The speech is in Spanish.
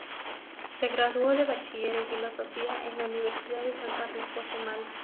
Se graduó de Bachiller en Filosofía en la Universidad de San Carlos de Guatemala.